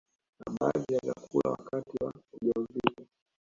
na baadhi ya vyakula wakati wa ujauzito